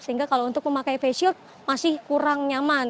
sehingga kalau untuk memakai face shield masih kurang nyaman